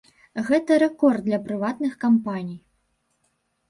Гэта рэкорд для прыватных кампаній.